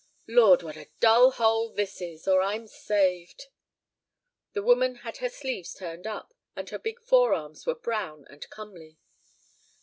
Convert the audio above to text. "Lord, what a dull hole this is, or I'm saved!" The woman had her sleeves turned up, and her big forearms were brown and comely.